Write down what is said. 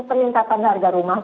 peningkatan harga rumah